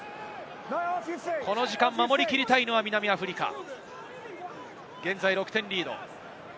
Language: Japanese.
この時間、守り切りたいのは南アフリカ、現在６点リード。